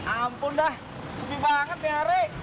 ampun dah sedih banget deh ari